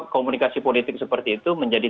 komunikasi politik seperti itu menjadi